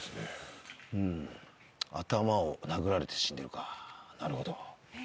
うん頭を殴られて死んでるかなるほど。